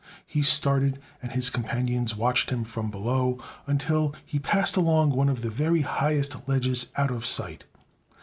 He started, and his companions watched him from below until he passed along one of the very highest ledges, out of sight.